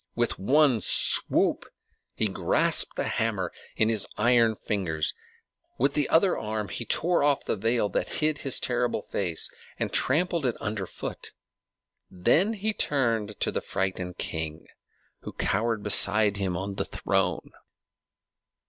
With one swoop he grasped the hammer in his iron fingers; with the other arm he tore off the veil that hid his terrible face, and trampled it under foot; then he turned to the frightened king, who cowered beside him on the throne.